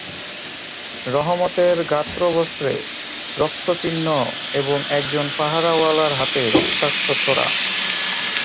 রহমতের গাত্রবস্ত্রে রক্তচিহ্ন এবং একজন পাহারাওয়ালার হাতে রক্তাক্ত ছোরা।